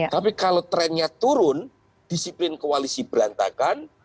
tapi kalau trennya turun disiplin koalisi berantakan